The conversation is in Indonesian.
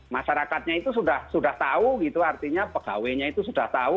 masyarakatnya itu sudah tahu gitu artinya pegawainya itu sudah tahu